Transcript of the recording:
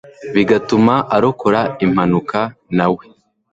bigatuma arokoka impanuka nawe